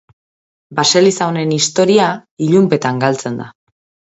Baseliza honen historia ilunpetan galtzen da.